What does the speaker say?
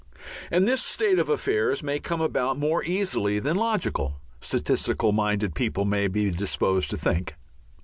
And this state of affairs may come about more easily than logical, statistical minded people may be disposed to think.